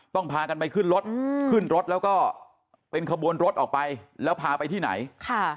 พากันไปขึ้นรถขึ้นรถแล้วก็เป็นขบวนรถออกไปแล้วพาไปที่ไหน